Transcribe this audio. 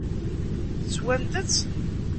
Swant-tt?